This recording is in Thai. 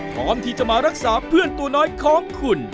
พร้อมที่จะมารักษาเพื่อนตัวน้อยของคุณ